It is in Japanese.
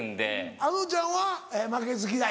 あのちゃんは負けず嫌い？